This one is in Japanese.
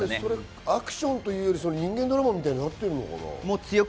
アクションより人間ドラマみたいになってるのかな？